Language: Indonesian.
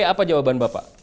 apa jawaban bapak